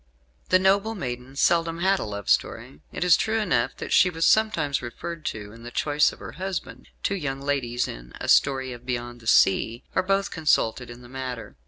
The noble maiden seldom had a love story. It is true enough that she was sometimes referred to in the choice of her husband: two young ladies in "A Story of Beyond the Sea" are both consulted in the matter.